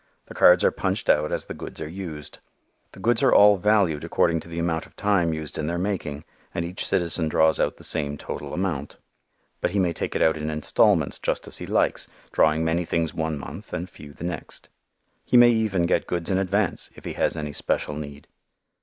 The cards are punched out as the goods are used. The goods are all valued according to the amount of time used in their making and each citizen draws out the same total amount. But he may take it out in installments just as he likes, drawing many things one month and few the next. He may even get goods in advance if he has any special need.